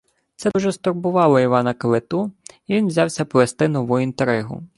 Це дуже стурбувало Івана Калиту, і він взявся плести нову інтригу: